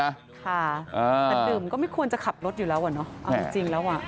แต่ดื่มก็ไม่ควรจะขับรถอยู่แล้วอ่ะเนอะเอาจริงแล้วอ่ะ